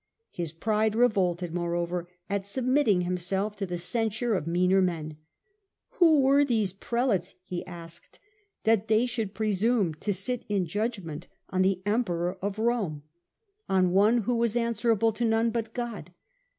His pride revolted, moreover, at submitting himself to the censure of meaner men. Who were these Prelates, he asked, that they should presume to sit in judgment on the Emperor THE COUNCIL OF LYONS 231 of Rome, on one who was answerable to none but God